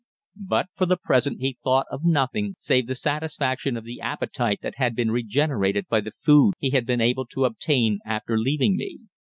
But for the present he thought of nothing save the satisfaction of the appetite that had been regenerated by the food he had been able to obtain after leaving me.